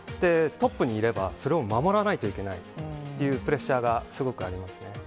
トップにいれば、それを守らないといけないというプレッシャーがすごくありますね。